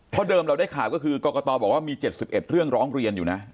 เพราะเดิมเราได้ข่าวก็คือกรกตบอกว่ามี๗๑เรื่องร้องเรียนอยู่นะ